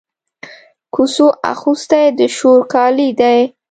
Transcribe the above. کوڅو اغوستي د شور کالي دی